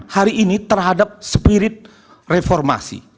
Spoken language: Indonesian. hari ini terhadap spirit reformasi